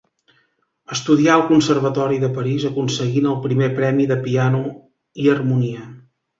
Estudià al Conservatori de París, aconseguint el primer premi de piano i harmonia.